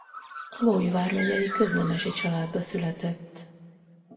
Abaúj vármegyei köznemesi családba született.